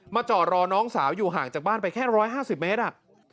จอดรอน้องสาวอยู่ห่างจากบ้านไปแค่๑๕๐เมตร